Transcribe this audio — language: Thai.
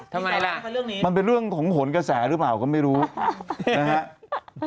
ทำไมล่ะมันเป็นเรื่องของหนกระแสหรือเปล่าก็ไม่รู้นะฮะ